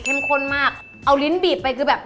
ข้นมากเอาลิ้นบีบไปคือแบบ